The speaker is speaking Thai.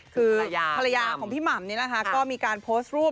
คือภรรยาของพี่หม่ำนี่นะคะก็มีการโพสต์รูป